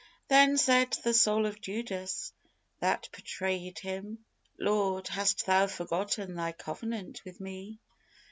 Then said the soul of Judas that betrayèd Him: "Lord, hast Thou forgotten Thy covenant with me?